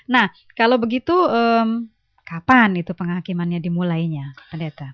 nah kalau begitu kapan itu penghakimannya dimulainya pendeta